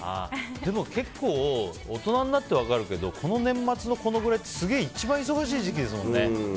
でも結構大人になって分かるけどこの年末のこのくらいってすげえ一番忙しい時期ですもんね。